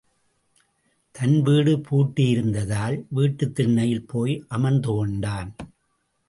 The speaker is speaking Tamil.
தன் வீடு பூட்டியிருந்ததால் வீட்டுத் திண்ணையில் போய் அமர்ந்துகொண்டான்.